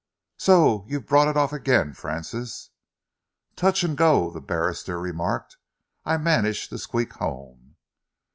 "So you've brought it off again, Francis!" "Touch and go," the barrister remarked. "I managed to squeak home."